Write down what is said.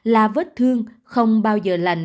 là vết thương không bao giờ lành